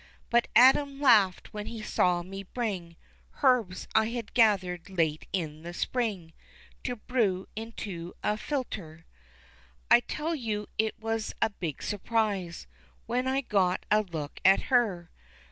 But Adam laughed when he saw me bring, Herbs I had gathered late in the spring, To brew into a philter. I tell you it was a big surprise When I got a look at her.